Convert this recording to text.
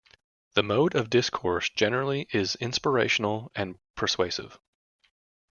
The mode of discourse generally is inspirational and persuasive.